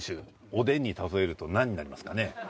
おでんに例えると何になりますかね？